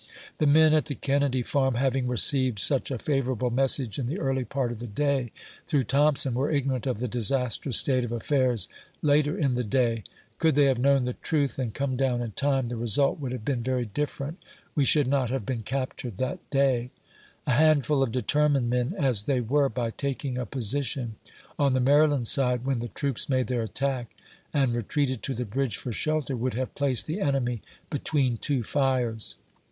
The men at the Kennedy Farm having received such a favorable message in the early part of the day, through Thompson, were ignoraut of the disastrous state of affairs later in the day. Could they have kuown the^ruth, and come down in time, the result 44 A VOICE FROM HARPER'S FERRY. would have been very different; we should not have been captured that day. A handful of determined men, as they were, by taking a position on the Maryland side, when the troops made their attack and retreated to the bridge for shelter, would have placed the enemy between two fires.